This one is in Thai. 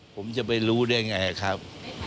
ผมจะไปรู้ได้ไงครับ